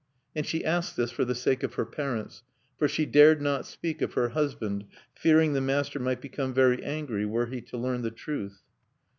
And she asked this for the sake of her parents; for she dared not speak of her husband, fearing the master might become very angry were he to learn the truth.